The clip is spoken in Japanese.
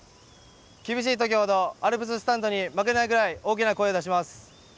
厳しいときほどアルプススタンドに負けないぐらい大きな声を出します。